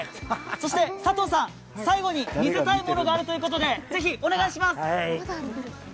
佐藤さん、最後に見せたいものがあるということでお願いします。